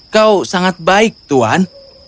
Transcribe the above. kau sangat baik tuhan